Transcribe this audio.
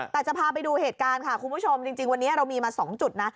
แต่จะพาไปดูเหตุการณ์ค่ะคุณผู้ชมจริงวันนี้เรามีมา๒จุดนะ